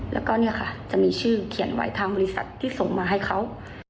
แล้วก็เนี่ยค่ะจะมีชื่อเขียนไว้ทางบริษัทที่ส่งมาให้เขา